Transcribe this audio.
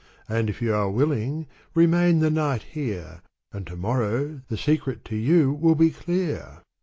And if you are willing, remain the night here ! And to morrow, the secret to you will be clear."